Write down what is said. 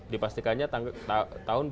dipastikannya tahun dua ribu delapan belas